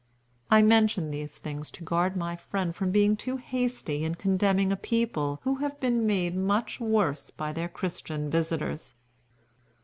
I mention these things to guard my friend from being too hasty in condemning a people who have been made much worse by their Christian visitors.